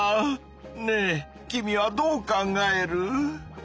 ねえ君はどう考える？